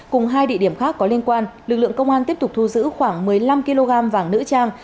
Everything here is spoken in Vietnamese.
cùng hai địa điểm khác có liên quan lực lượng công an tiếp tục thu giữ khoảng một mươi năm kg vàng nữ trang